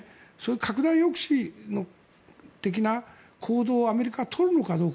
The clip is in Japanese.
拡大抑止の的な行動をアメリカはとるのかどうか。